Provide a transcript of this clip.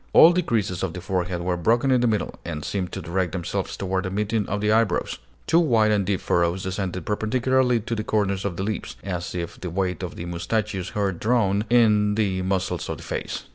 All the creases of the forehead were broken in the middle, and seemed to direct themselves toward the meeting of the eyebrows; two wide and deep furrows descended perpendicularly to the corners of the lips, as if the weight of the moustachios had drawn in the muscles of the face.